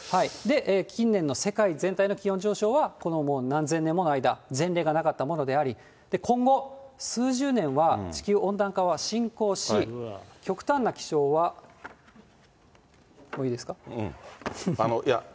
近年の世界全体の気温上昇は、何千年もの間、前例がなかったものであり、今後、数十年は地球温暖化は進行し、極端な気象はいいですか。